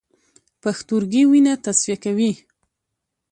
پښتورګي وینه تصفیه کوي